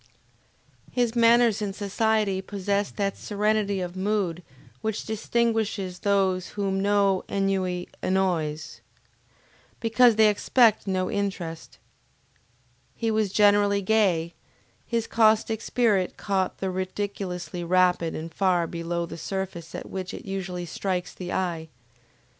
His manners in society possessed that serenity of mood which distinguishes those whom no ennui annoys, because they expect no interest. He was generally gay, his caustic spirit caught the ridiculous rapidly and far below the surface at which it usually strikes the eye.